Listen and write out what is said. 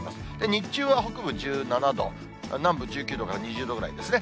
日中は北部１７度、南部１９度から２０度ぐらいですね。